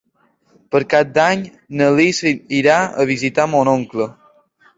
Per Cap d'Any na Lis irà a visitar mon oncle.